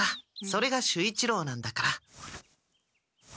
それが守一郎なんだから。